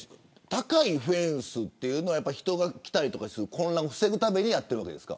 高いフェンスというのは人が来たり、混乱を防ぐためにやっているんですか。